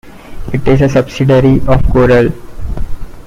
It is a subsidiary of Corel.